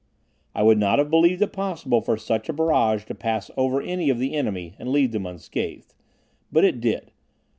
I would not have believed it possible for such a barrage to pass over any of the enemy and leave them unscathed. But it did.